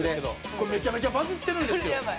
これめちゃめちゃバズってるんですよ。